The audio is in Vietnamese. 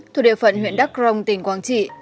thuộc địa phận huyện đắk rồng tỉnh quảng trị